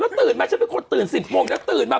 ตื่นมาฉันเป็นคนตื่น๑๐โมงแล้วตื่นมา